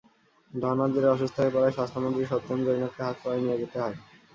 ধরনার জেরে অসুস্থ হয়ে পড়ায় স্বাস্থ্যমন্ত্রী সত্যেন্দ্র জৈনকে হাসপাতালে নিয়ে যেতে হয়।